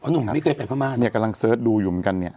นี่กำลังเสิร์ชดูอยู่เหมือนกันเนี่ย